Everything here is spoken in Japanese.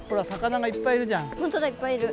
ほんとだいっぱいいる。